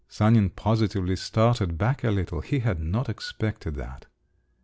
Sanin positively started back a little; he had not expected that.